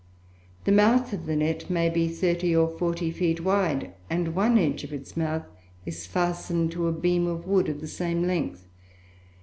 The mouth of the net may be thirty or forty feet wide, and one edge of its mouth is fastened to a beam of wood of the same length.